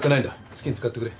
好きに使ってくれ。